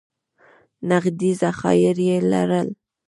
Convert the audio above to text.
نغدي ذخایر یې لرل.